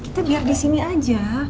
kita biar disini aja